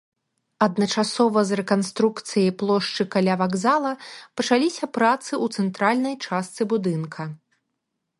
Адначасова з рэканструкцыяй плошчы каля вакзала пачаліся працы ў цэнтральнай частцы будынка.